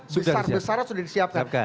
besar besaran sudah disiapkan